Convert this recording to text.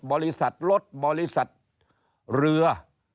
บริษัทรถบริษัทเรือ